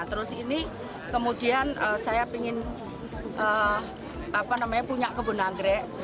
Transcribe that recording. terus ini kemudian saya ingin punya kebun anggrek